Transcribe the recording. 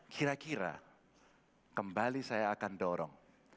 kira kira kembali saya akan dorong